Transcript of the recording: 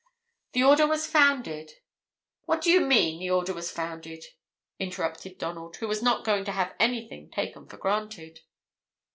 The Order was founded " "What do you mean, 'The Order was founded?'" interrupted Donald, who was not going to have anything taken for granted.